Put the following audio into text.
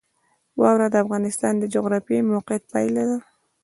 واوره د افغانستان د جغرافیایي موقیعت پایله ده.